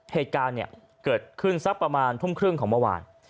เหตุการณ์เนี่ยเกิดขึ้นสักประมาณทุ่มครึ่งของเมื่อวาน